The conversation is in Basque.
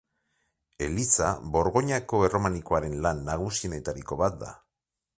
Eliza Borgoinako erromanikoaren lan nagusienetariko bat da.